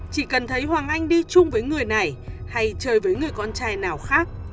chỉ cần thấy hoàng anh đi chung với người này hay chơi với người con trai nào khác